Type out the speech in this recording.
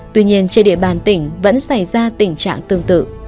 tuy nhiên trên địa bàn tỉnh vẫn xảy ra tình trạng tương tự